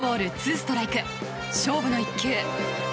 ２ボール、２ストライク勝負の１球。